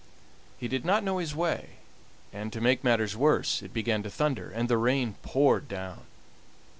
He did not know his way, and, to make matters worse, it began to thunder, and the rain poured down.